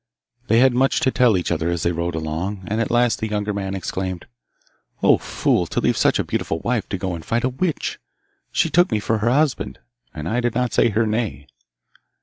They had much to tell each other as they rode along, and at last the younger man exclaimed, 'O fool, to leave such a beautiful wife to go and fight a witch! She took me for her husband, and I did not say her nay.